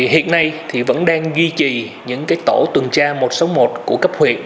hiện nay vẫn đang duy trì những tổ tuần tra một trăm sáu mươi một của cấp huyện